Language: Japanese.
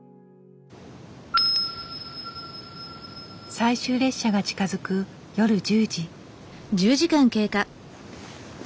最終列車が近づく夜１０時。